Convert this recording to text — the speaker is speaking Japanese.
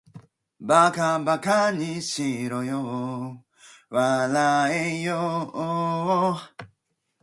馬鹿ばかにしろよ、笑わらえよ